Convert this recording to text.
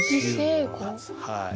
はい。